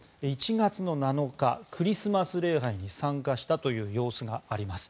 １月７日、クリスマス礼拝に参加したという様子があります。